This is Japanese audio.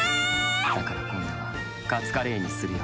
だから今夜はカツカレーにするよ。